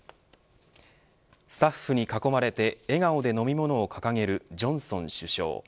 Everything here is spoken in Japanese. スタッフに囲まれて笑顔で飲み物を掲げるジョンソン首相。